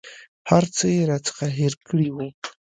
هر څه یې راڅخه هېر کړي وه.